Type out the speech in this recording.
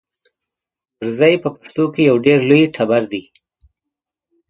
نورزی په پښتنو کې یو ډېر لوی ټبر دی.